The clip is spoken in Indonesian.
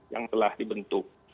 yang telah dibentuk